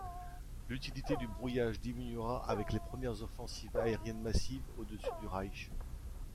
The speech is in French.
L'utilité du brouillage diminuera avec les premières offensives aériennes massives au-dessus du Reich.